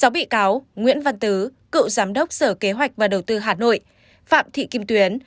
sáu bị cáo nguyễn văn tứ cựu giám đốc sở kế hoạch và đầu tư hà nội phạm thị kim tuyến